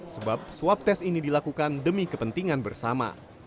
sebab swab tes ini dilakukan demi kepentingan bersama